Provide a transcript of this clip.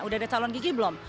udah ada calon gigi belum